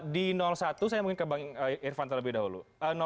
di satu saya mungkin kebang irfan terlebih dahulu